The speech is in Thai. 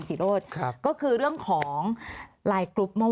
ทำไมรัฐต้องเอาเงินภาษีประชาชน